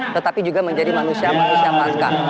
tetapi juga menjadi manusia manusia pasca